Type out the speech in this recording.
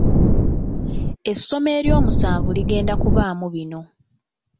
essomo eryomusanvu ligenda kubaamu bino.